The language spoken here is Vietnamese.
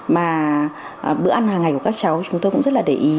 mà bữa ăn hàng ngày của các cháu chúng tôi cũng rất là để ý